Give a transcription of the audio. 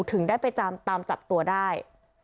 ถึงได้ไปตามจับตัวได้